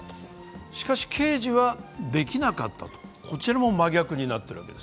しかし刑事はできなかったとこちらも真逆になっているわけです。